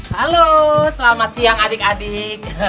halo selamat siang adik adik